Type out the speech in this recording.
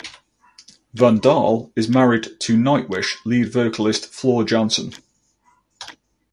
Van Dahl is married to Nightwish lead vocalist Floor Jansen.